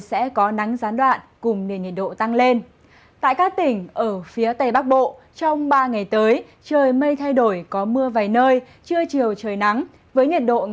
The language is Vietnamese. xin kính chào quý vị và các bạn